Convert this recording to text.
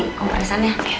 ini kompresan ya